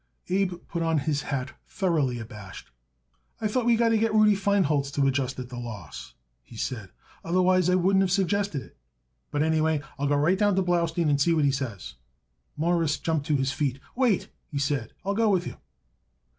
Abe put on his hat thoroughly abashed. "I thought we got to get Rudy Feinholz to adjust it the loss," he said. "Otherwise, I wouldn't of suggested it. But, anyway, I will go right down to Blaustein and see what he says." Morris jumped to his feet. "Wait," he said; "I'll go with you."